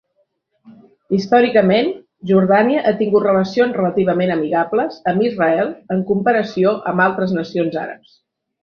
Històricament, Jordània ha tingut relacions relativament amigables amb Israel en comparació amb altres nacions àrabs.